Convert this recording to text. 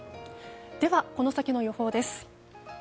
では、この先の予報です。